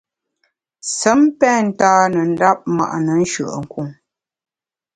Sem pen ntane ndap ma’ne nshùe’nkun.